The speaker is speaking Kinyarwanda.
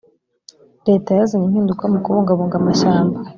leta yazanye impinduka mu kubungabunga amashyamba